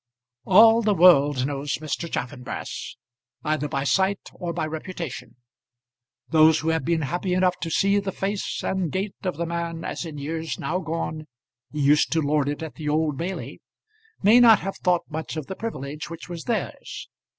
All the world knows Mr. Chaffanbrass either by sight or by reputation. Those who have been happy enough to see the face and gait of the man as, in years now gone, he used to lord it at the Old Bailey, may not have thought much of the privilege which was theirs.